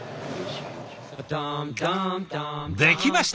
できました！